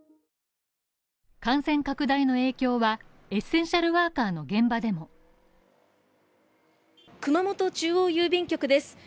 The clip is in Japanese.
感染拡大の影響は、エッセンシャルワーカーの現場でも熊本中央郵便局です